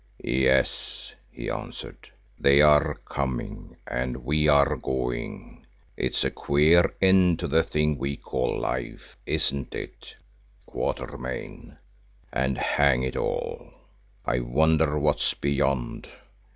"Yes," he answered, "they are coming and we are going. It's a queer end to the thing we call life, isn't it, Quatermain, and hang it all! I wonder what's beyond?